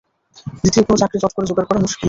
দ্বিতীয় কোনো চাকরি চট করে জোগাড় করা মুশকিল।